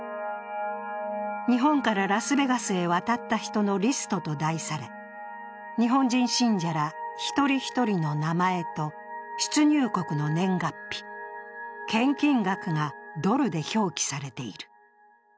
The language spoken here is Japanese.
「日本からラスベガスへ渡った人のリスト」と題され日本人信者ら一人一人の名前と出入国の年月日、献金額がドルで表記されている。